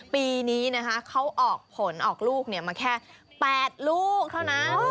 ปีนี้นะคะเขาออกผลออกลูกมาแค่๘ลูกเท่านั้น